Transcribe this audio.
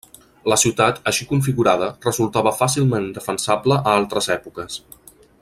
La ciutat així configurada resultava fàcilment defensable a altres èpoques.